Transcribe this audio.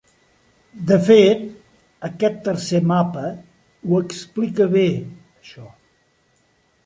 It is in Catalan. De fet, aquest tercer mapa ho explica bé, això.